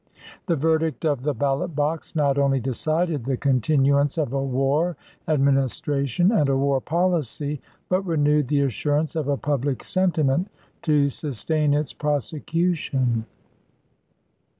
The verdict of the ballot box not only decided the continuance of a war adminis tration and a war policy, but renewed the assurance of a public sentiment to sustain its prosecution.